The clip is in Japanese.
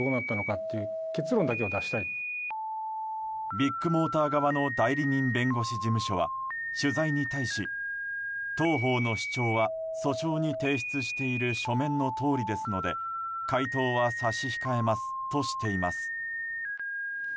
ビッグモーター側の代理人弁護士事務所は取材に対し、当方の主張は訴訟に提出している書面のとおりですので回答は差し控えますとしています。